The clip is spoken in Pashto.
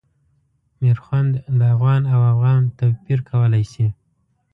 میرخوند د افغان او اوغان توپیر کولای شي.